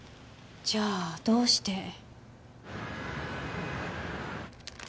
じゃあどうして。